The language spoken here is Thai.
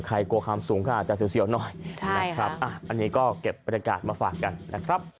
ใครกลัวความสูงก็อาจจะเสียวน้อยอันนี้ก็เก็บประกาศมาฝากกันนะครับ